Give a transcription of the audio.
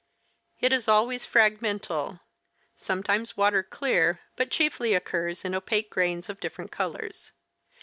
It is always fragmental ; sometimes water clear, but chiefiy occurs in opaque grains of different colors.